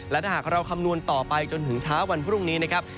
และถ้าหากเราคำนวณต่อไปจนถึงเช้าวันพรุ่งนี้นะครับ